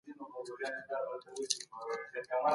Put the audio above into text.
د ارغنداب سیند د ځوانانو د تفریح ځای دی.